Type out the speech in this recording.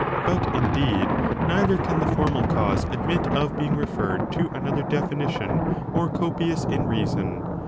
But, indeed, neither can the formal cause admit of being referred to another definition more copious in reason.